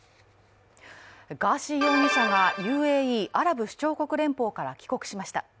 ガーシー容疑者がＵＡＥ＝アラブ首長国連邦から帰国しました。